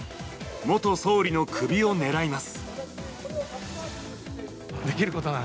元総理の首を狙います。